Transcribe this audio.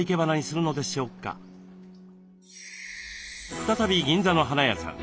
再び銀座の花屋さん。